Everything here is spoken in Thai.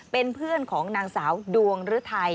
เป็นเพื่อนของนางสาวดวงฤทัย